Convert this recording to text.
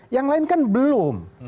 yang lain kan belum